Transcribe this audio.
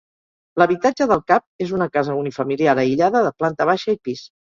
L'habitatge del cap és una casa unifamiliar aïllada de planta baixa i pis.